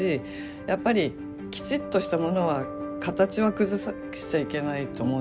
やっぱりきちっとしたものは形は崩しちゃいけないと思うんですよね。